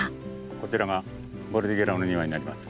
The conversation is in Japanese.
こちらがボルディゲラの庭になります。